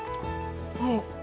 はい。